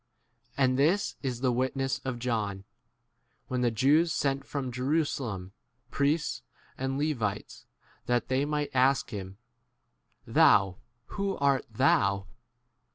And this is the witness of John, when the Jews sent from Jerusalem priests and Levites that they might ask him, 29 Thou, who art thou